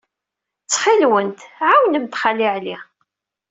Ttxil-went, ɛawnemt Xali Ɛli.